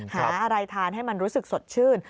หาอะไรทานให้มันรู้สึกสดชื่น